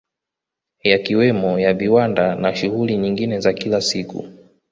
Yakiwemo ya viwanda na shughuli nyingine za kila siku